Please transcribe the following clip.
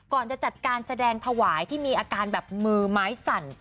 จะจัดการแสดงถวายที่มีอาการแบบมือไม้สั่น